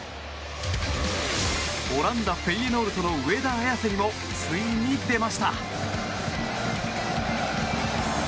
オランダ・フェイエノールトの上田綺世にもついに出ました。